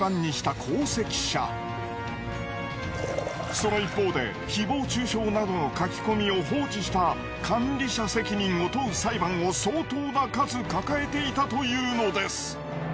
その一方で誹謗中傷などの書き込みを放置した管理者責任を問う裁判を相当な数抱えていたというのです。